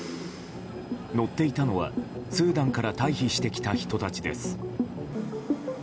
乗っていたのはスーダンから退避してきた人たちです。